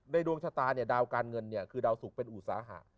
ในดวงชัตรณ์เดาการเงินเนี่ยคือเดาศุกรเป็นอุตสาหาร